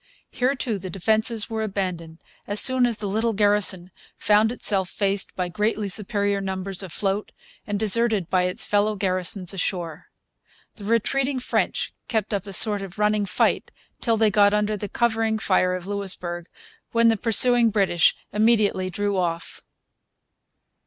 Here too the defences were abandoned as soon as the little garrison found itself faced by greatly superior numbers afloat and deserted by its fellow garrisons ashore. The retreating French kept up a sort of running fight till they got under the covering fire of Louisbourg, when the pursuing British immediately drew off.